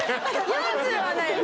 ４０はないです